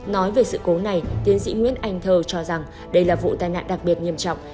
nói về sự cố này tiến sĩ nguyễn anh thơ cho rằng đây là vụ tai nạn đặc biệt nghiêm trọng